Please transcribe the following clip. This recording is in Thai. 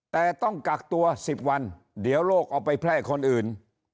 แต่ต้องกักตัว๑๐วันเดี๋ยวโรคเอาไปแพร่คนอื่น